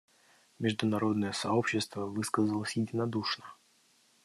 Международное сообщество высказалось единодушно.